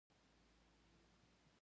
آیا دوی امنیت او قانون نه ساتي؟